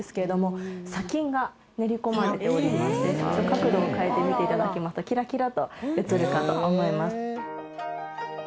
角度を変えて見て頂きますとキラキラと映るかと思います。